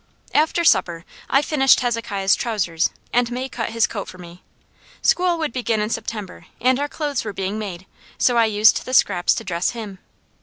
After supper I finished Hezekiah's trousers, and May cut his coat for me. School would begin in September and our clothes were being made, so I used the scraps to dress him.